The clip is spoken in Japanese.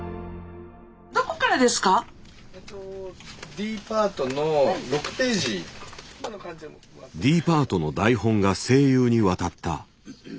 Ｄパートの台本が声優に渡った。